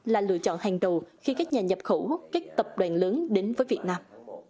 là lựa chọn hàng đầu khi các nhà nhập khẩu các tập đoàn lớn đến với việt nam